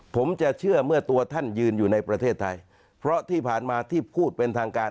ผมจะเชื่อเมื่อตัวท่านยืนอยู่ในประเทศไทยเพราะที่ผ่านมาที่พูดเป็นทางการ